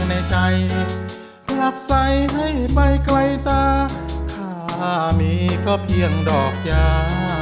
ในใจกลับใส่ให้ไปไกลตาถ้ามีก็เพียงดอกยา